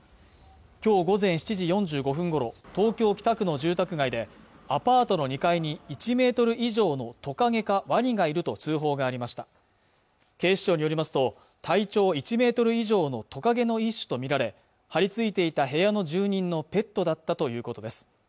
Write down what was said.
今日午前７時４５分ごろ東京北区の住宅街でアパートの２階に１Ｍ以上のトカゲかワニがいると通報がありました警視庁によりますと体長１Ｍ以上のトカゲの一種と見られ張り付いていた部屋の住人のペットだったということです